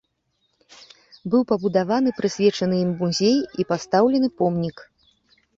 Быў пабудаваны прысвечаны ім музей і пастаўлены помнік.